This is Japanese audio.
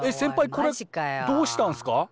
これどうしたんすか？